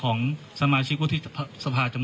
ก็มีคนถามว่าอันนี้เก้ากลายได้ปรึกษาภักดิ์ร่วมไหม